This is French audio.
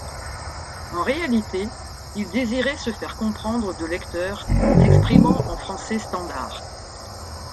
En réalité, il désirait se faire comprendre de lecteurs s'exprimant en français standard.